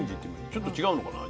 ちょっと違うのかな？